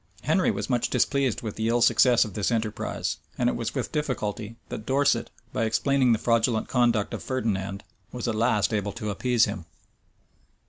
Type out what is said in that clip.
Henry was much displeased with the ill success of this enterprise; and it was with difficulty that Dorset, by explaining the fraudulent conduct of Ferdinand, was at last able to appease him.